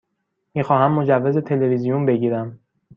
می خواهم مجوز تلویزیون بگیرم.